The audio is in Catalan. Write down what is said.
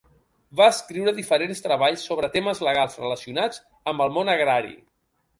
Va escriure diferents treballs sobre temes legals relacionats amb el món agrari.